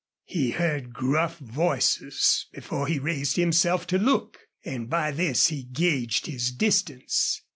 He heard gruff voices before he raised himself to look, and by this he gauged his distance.